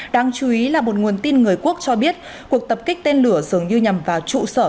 đáng chú ý là một nguồn tin người quốc cho biết cuộc tập kích tên lửa dường như nhằm vào trụ sở